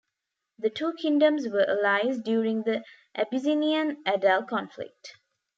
The two kingdoms were allies during the Abyssinian-Adal conflict.